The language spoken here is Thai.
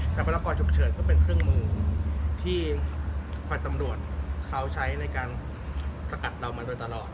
แต่พลากรฉุกเฉินก็เป็นเครื่องมือที่ฝ่ายตำรวจเขาใช้ในการสกัดเรามาโดยตลอด